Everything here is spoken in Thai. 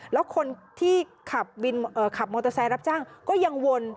แล้วคนที่ขับมอเตอร์ไซค์รับจ้างก็ยังวน